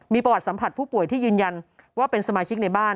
มีประวัติสัมผัสผู้ป่วยที่ยืนยันว่าเป็นสมาชิกในบ้าน